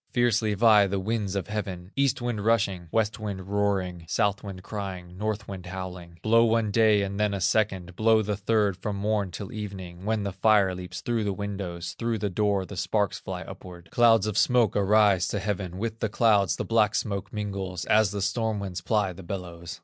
Fiercely vie the winds of heaven, East wind rushing, West wind roaring, South wind crying, North wind howling, Blow one day and then a second, Blow the third from morn till even, When the fire leaps through the windows, Through the door the sparks fly upward, Clouds of smoke arise to heaven; With the clouds the black smoke mingles, As the storm winds ply the bellows.